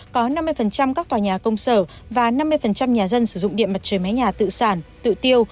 có năm mươi các tòa nhà công sở và năm mươi nhà dân sử dụng điện mặt trời mái nhà tự sản tự tiêu